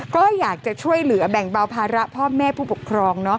ก็อยากจะช่วยเหลือแบ่งเบาภาระพ่อแม่ผู้ปกครอง